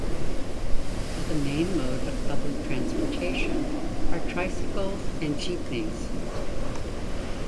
The main mode of public transportation are tricycles and jeepneys.